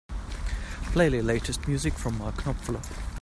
Play the latest music from Mark Knopfler.